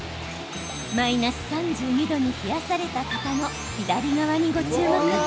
マイナス３２度に冷やされた型の左側にご注目。